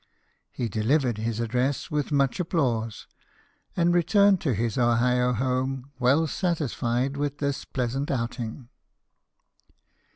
He delivered his address with much applause, and returned to his Ohio home well satisfied with this pleasant outing.